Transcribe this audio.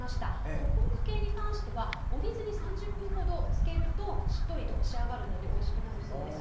ほくほく系に関してはお水に３０分ほどつけるとしっとりと仕上がるのでおいしくなるそうです。